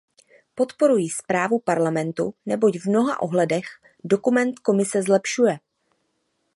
Podporuji zprávu Parlamentu, neboť v mnoha ohledech dokument Komise zlepšuje.